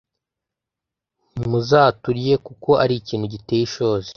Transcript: ntimuzaturye kuko ari ikintu giteye ishozi